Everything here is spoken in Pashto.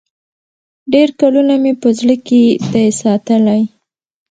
ډېر کلونه مي په زړه کي دی ساتلی